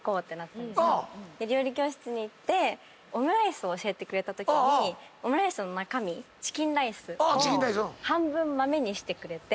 料理教室に行ってオムライスを教えてくれたときにオムライスの中身チキンライスを半分豆にしてくれて。